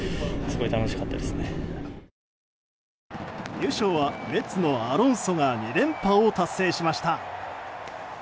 優勝はメッツのアロンソが２連覇を達成しました。